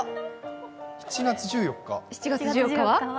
７月１４日